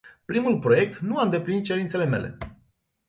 Primul proiect nu a îndeplinit cerințele mele.